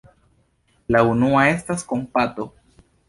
La unua estas kompato.